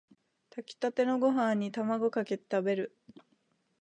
炊きたてのご飯にタマゴかけて食べる